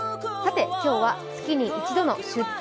今日は月に一度の「出張！